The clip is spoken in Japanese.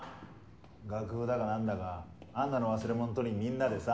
楽譜だか何だか安奈の忘れ物取りにみんなでさ。